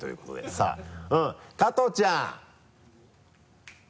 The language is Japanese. さぁ加藤ちゃん。